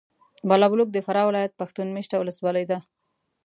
بالابلوک د فراه ولایت پښتون مېشته ولسوالي ده.